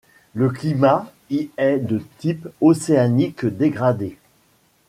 Le climat y est de type océanique dégradé.